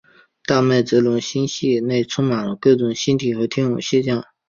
大麦哲伦星系内充满了各种星体和天文现象。